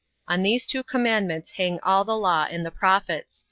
On these two commandments hang all the law and the prophets."